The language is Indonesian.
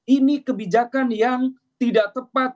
ini kebijakan yang tidak tepat